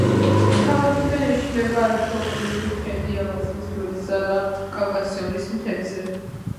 ქალაქიდან იშლება არაჩვეულებრივი ხედი ალაზნის ველსა და კავკასიონის მთებზე.